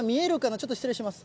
ちょっと失礼します。